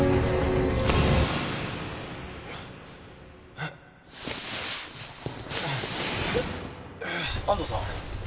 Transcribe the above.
うっ安藤さん？